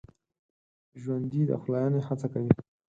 ژوندي د پخلاينې هڅه کوي